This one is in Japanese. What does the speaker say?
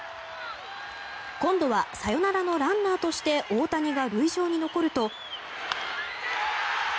今度はサヨナラのランナーとして大谷が塁上に残ると。